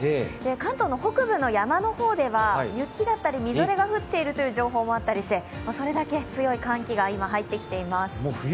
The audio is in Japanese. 関東の北部の山の方では雪だったりみぞれが降っているという情報もあってそれだけ強い寒気が今、入ってきています。